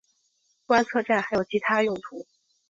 观测站还有其它用途。